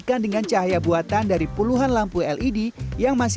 kita bisa memprediksi